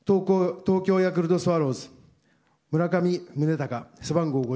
東京ヤクルトスワローズ村上宗隆、背番号５５。